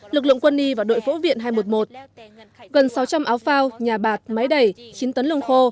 lực lượng quân y và đội phẫu viện hai trăm một mươi một gần sáu trăm linh áo phao nhà bạc máy đẩy chín tấn lương khô